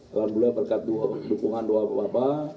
alhamdulillah berkat dukungan doa bapak bapak